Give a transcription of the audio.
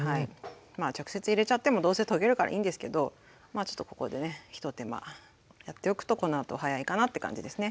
まあ直接入れちゃってもどうせ溶けるからいいんですけどちょっとここでね一手間やっておくとこのあと早いかなって感じですね。